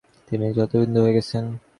তিনি নিজে হতবুদ্ধি হয়ে গেছেন।